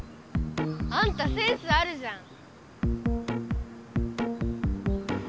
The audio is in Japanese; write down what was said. あんたセンスあるじゃん。